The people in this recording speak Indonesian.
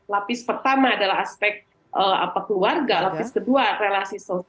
lapis pertama adalah aspek keluarga